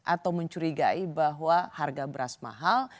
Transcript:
atau mencurigai bahwa harga beras mahal